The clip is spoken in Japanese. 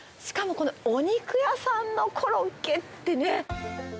しかもこのお肉屋さんのコロッケってね。